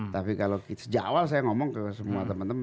tapi kalau sejak awal saya ngomong ke semua teman teman